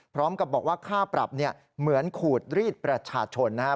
พร้อมกับบอกว่าค่าปรับเนี่ยเหมือนขูดรีดประชาชนนะครับ